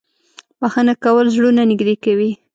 • بښنه کول زړونه نږدې کوي.